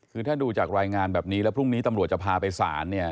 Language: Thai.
คือถ้าดูจากรายงานแบบนี้แล้วพรุ่งนี้ตำรวจจะพาไปศาลเนี่ย